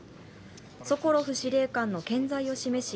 ソコロフ司令官の健在を示し